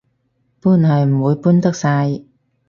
搬係唔會搬得晒